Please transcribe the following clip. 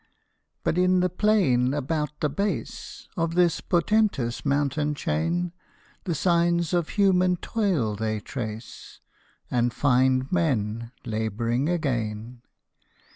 But in the plain about the base Of this portentous mountain chain, The signs of human toil they trace, And find men labouring again.